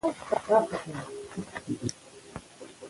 د ژبي وده د علمي کارونو له لارې کیږي.